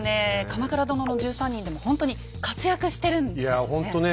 「鎌倉殿の１３人」でもほんとに活躍してるんですよね。